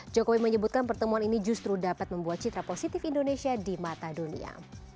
jokowi menyebutkan pertemuan ini justru dapat membuat citra positif indonesia di mata dunia